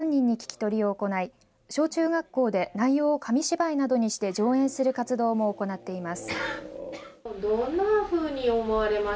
市民グループはこれまでに１３人に聞き取りを行い小中学校で内容を紙芝居などにして上演する活動も行っています。